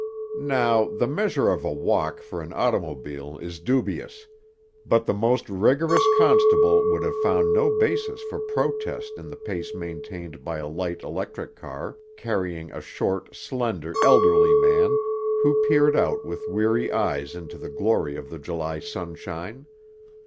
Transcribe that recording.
Now, the measure of a walk for an automobile is dubious; but the most rigorous constable could have found no basis for protest in the pace maintained by a light electric car, carrying a short, slender, elderly man, who peered out with weary eyes into the glory of the July sunshine.